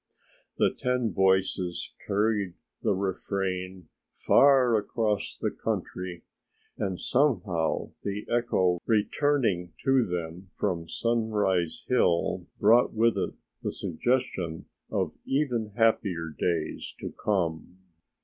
The ten voices carried the refrain far across the country and somehow the echo returning to them from Sunrise Hill brought with it the suggestion of even happier days to come.